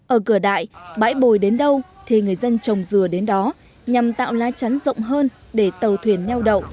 ở cửa đại bãi bồi đến đâu thì người dân trồng dừa đến đó nhằm tạo lá chắn rộng hơn để tàu thuyền neo đậu